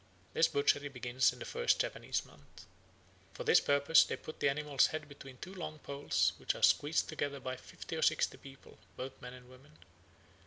This butchery begins in the first Japanese month. For this purpose they put the animal's head between two long poles, which are squeezed together by fifty or sixty people, both men and women.